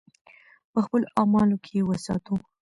په خپلو اعمالو کې یې وساتو.